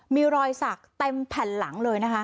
มีรอยศักดิ์เต็มแผ่นหลังเลย